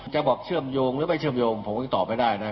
จะบอกเชื่อมโยงหรือไม่เชื่อมโยงผมยังตอบไม่ได้นะ